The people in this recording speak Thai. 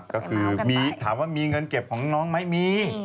ก็คือถามว่ามีเงินเก็บของน้องไหมมี